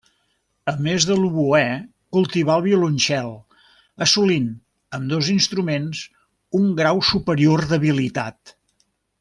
A més de l'oboè, cultivà el violoncel, assolint ambdós instruments un grau superior d'habilitat.